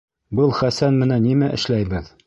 Был Хәсән менән нимә эшләйбеҙ?